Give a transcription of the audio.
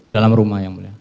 dalam rumah yang mulia